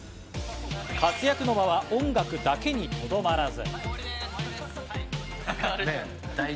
活躍の場は音楽だけにとどまらず。